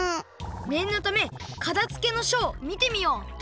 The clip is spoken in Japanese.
ねんのため「かたづけの書」を見てみよう。